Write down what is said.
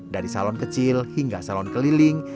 dari salon kecil hingga salon keliling